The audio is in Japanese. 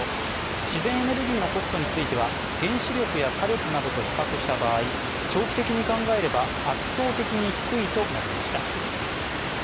自然エネルギーのコストについては原子力や火力などと比較した場合長期的に考えれば圧倒的に低いと述べました。